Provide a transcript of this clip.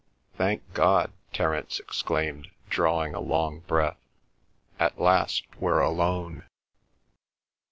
"Thank God!" Terence exclaimed, drawing a long breath. "At last we're alone."